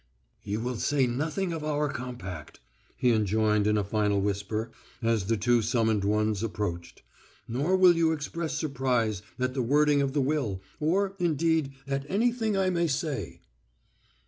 "You will say nothing of our compact," he enjoined in a final whisper, as the two summoned ones approached. "Nor will you express surprise at the wording of the will or, indeed, at anything I may say."